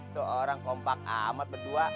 tuh orang kompak amat berdua